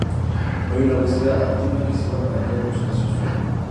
No hay una mezcla óptima que sirva para todos los casos.